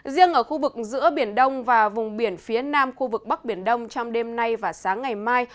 riêng ở khu vực giữa biển đông và vùng biển phía nam khu vực bắc biển đông trong đêm nay và sáng ngày mai